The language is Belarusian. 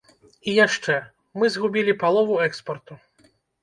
І яшчэ, мы згубілі палову экспарту.